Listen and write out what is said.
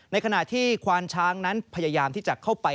ในขณะที่ควานช้างนั้นพยายามที่จะเข้าไป